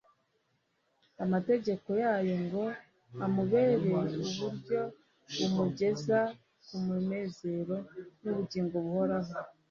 amategeko yayo ngo amubere uburyo bumugeza ku munezero nubugingo buhoraho